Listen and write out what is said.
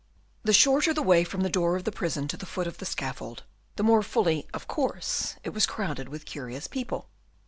The shorter the way from the door of the prison to the foot of the scaffold, the more fully, of course, it was crowded with curious people.